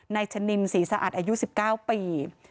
นายชนินศรีสะอาดอายุ๑๙ปี